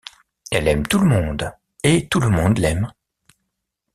Elle aime tout le monde et tout le monde l’aime.